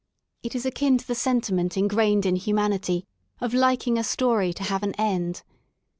It is akin to the sentiment ingrained in humanity of liking a story to have an end.